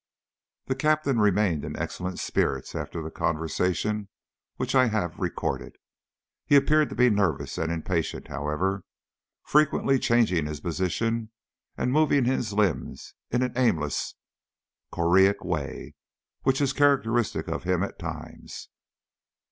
The Captain remained in excellent spirits after the conversation which I have recorded. He appeared to be nervous and impatient, however, frequently changing his position, and moving his limbs in an aimless choreic way which is characteristic of him at times.